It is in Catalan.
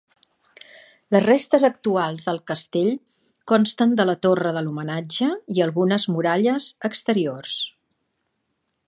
Les restes actuals del castell consten de la torre de l'homenatge i algunes muralles exteriors.